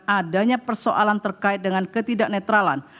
adanya persoalan terkait dengan ketidakneutralan